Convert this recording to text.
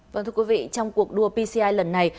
vâng thưa quý vị trong cuộc đua pci lần này